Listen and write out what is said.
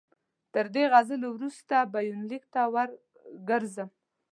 تر دې غزلو وروسته به یونلیک ته ور وګرځم.